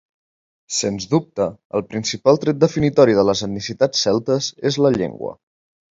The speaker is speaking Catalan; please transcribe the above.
Sens dubte, el principal tret definitori de les etnicitats celtes és la llengua.